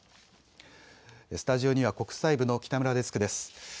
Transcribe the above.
スタジオには国際部の北村デスクです。